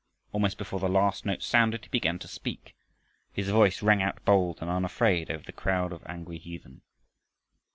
Almost before the last note sounded he began to speak. His voice rang out bold and unafraid over the crowd of angry heathen.